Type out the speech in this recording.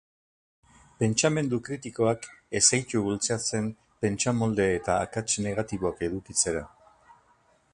Pentsamendu kritikoak, ez zaitu bultzatzen pentsamolde eta akats negatiboak edukitzera.